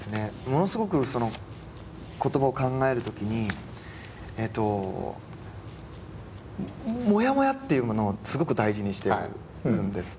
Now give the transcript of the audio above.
ものすごくその言葉を考える時にえっともやもやっていうものをすごく大事にしているんです。